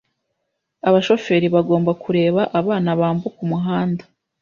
Abashoferi bagomba kureba abana bambuka umuhanda.